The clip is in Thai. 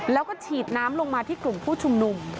แล้วก็ฉีดน้ำลงมาที่กลุ่มผู้ชุมนุม